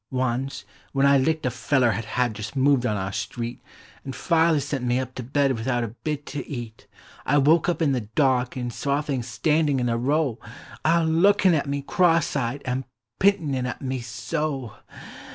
Once, when I licked a feller 'at had just move. I on our street. An' father sent me up to bed without a bit to eat, I woke up in the dark an' saw things stanJin' in a row, A lookiu' at me cross eyed an' p 'intin' at me— so